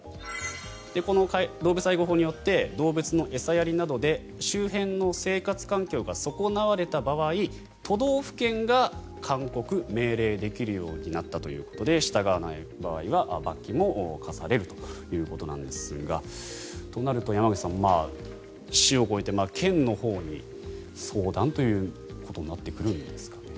この動物愛護法によって動物の餌やりなどで周辺の生活環境が損なわれた場合都道府県が勧告・命令できるようになったということで従わない場合は罰金も科されるということですがとなると、山口さん市を超えて、県のほうに相談ということになってくるんですかね。